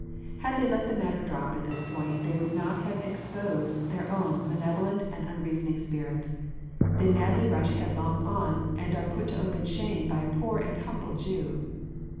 Had they let the matter drop at this point, they would not have exposed their own malevolent and unreasoning spirit. They madly rush headlong on, and are put to open shame by a poor and humble Jew.